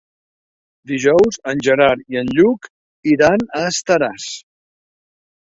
Dijous en Gerard i en Lluc iran a Estaràs.